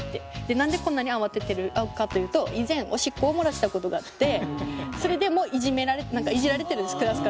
なんでこんなに慌ててるかというと以前おしっこを漏らした事があってそれでもういじめられイジられてるんですクラスから。